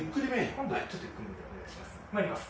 今度はちょっとゆっくりめでお願いします。